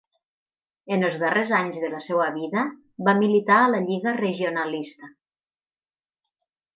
En els darrers anys de la seua vida va militar a la Lliga Regionalista.